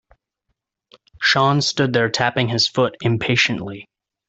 Sean stood there tapping his foot impatiently.